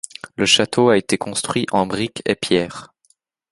Le château a été construit en brique et pierre.